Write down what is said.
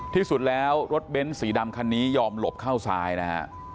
ที่สุดแล้วรถเบ้นสีดำคันนี้ยอมหลบเข้าซ้ายนะฮะ